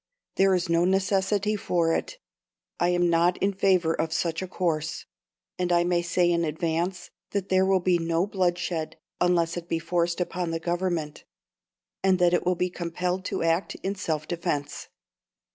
There is no necessity for it I am not in favour of such a course; and I may say in advance, that there will be no blood shed, unless it be forced upon the Government, and then it will be compelled to act in self defence."